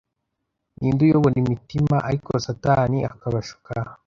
ninde uyobora imitima ariko satani akabashuka